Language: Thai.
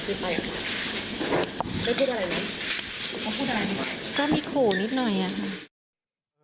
ก็มีขู่นิดหน่อยครับ